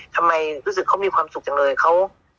ทำไมรู้สึกเขามีความสุขจังเลย